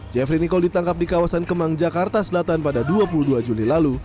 jeffrey nicole ditangkap di kawasan kemang jakarta selatan pada dua puluh dua juli lalu